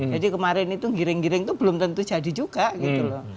jadi kemarin itu ngiring ngiring itu belum tentu jadi juga gitu loh